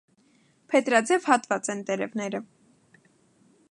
Փետրաձև հատված են տերևները։